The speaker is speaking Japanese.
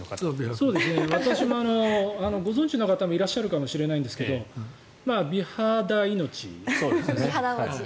私もご存じの方もいらっしゃるかもしれないんですが美肌命なんですね。